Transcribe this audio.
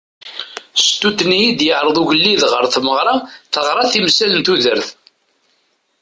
Stut-nni i d-yeɛreḍ ugelliḍ ɣer tmeɣra teɣra timsal n tudert.